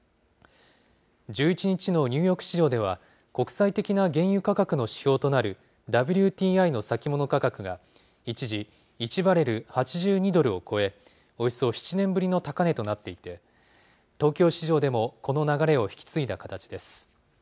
１１日のニューヨーク市場では、国際的な原油価格の指標となるＷＴＩの先物価格が一時、１バレル８２ドルを超え、およそ７年ぶりの高値となっていて、東京市場でもこの流れを引き継いだ形です。